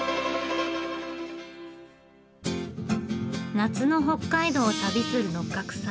夏の北海道を旅する六角さん。